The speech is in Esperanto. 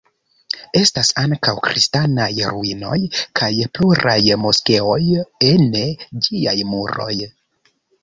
Estas ankaŭ kristanaj ruinoj kaj pluraj moskeoj ene ĝiaj muroj.